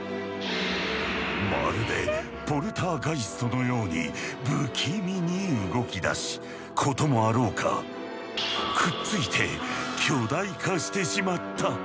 まるでポルターガイストのように不気味に動きだしこともあろうかくっついて巨大化してしまった。